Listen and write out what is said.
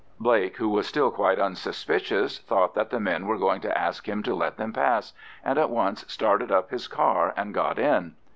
Blake, who was still quite unsuspicious, thought that the men were going to ask him to let them pass, and at once started up his car and got in.